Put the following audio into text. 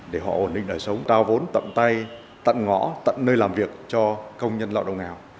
để họ ổn định đời sống trao vốn tận tay tận ngõ tận nơi làm việc cho công nhân lạo đồng nào